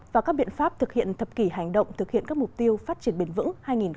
và các biện pháp thực hiện thập kỷ hành động thực hiện các mục tiêu phát triển bền vững hai nghìn ba mươi